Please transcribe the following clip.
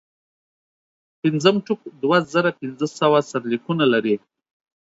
پنځم ټوک دوه زره پنځه سوه سرلیکونه لري.